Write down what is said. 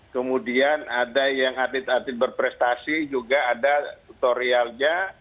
kemudian ada yang atlet atlet berprestasi juga ada tutorialnya